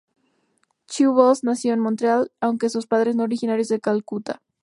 Chew-Bose nació en Montreal, aunque sus padres son originarios de Calcuta.